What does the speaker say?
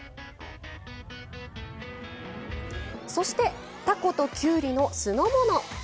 そしてたこときゅうりの酢の物。